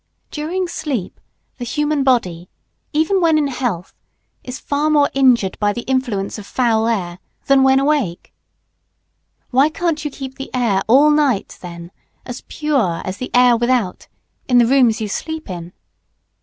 During sleep, the human body, even when in health, is far more injured by the influence of foul air than when awake. Why can't you keep the air all night, then, as pure as the air without in the rooms you sleep in?